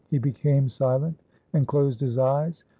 He became silent and closed his eyes.